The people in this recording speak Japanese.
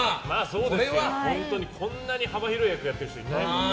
こんなに幅広い役をやってる人いないもんね。